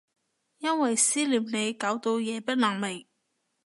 因為思念你搞到夜不能寐